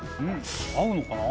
合うのかな？